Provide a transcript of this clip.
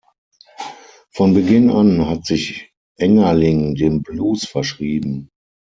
Von Beginn an hat sich Engerling dem Blues verschrieben.